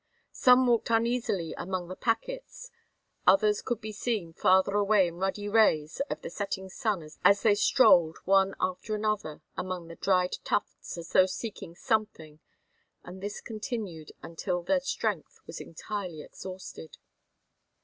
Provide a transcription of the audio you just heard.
Some walked uneasily among the packets; others could be seen farther away in ruddy rays of the setting sun as they strolled one after another among the dried tufts as though seeking something, and this continued until their strength was entirely exhausted.